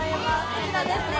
こちらですね。